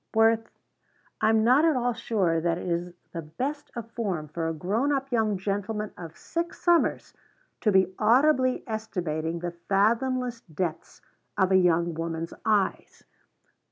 "Worth, I'm not at all sure that it is the best of form for a grown up young gentleman of six summers to be audibly estimating the fathomless depths of a young woman's eyes.